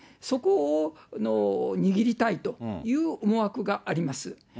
そこを握りたいという思惑があります。